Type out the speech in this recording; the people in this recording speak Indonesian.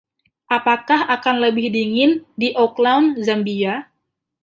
Apakah akan lebih dingin di Oaklawn Zambia?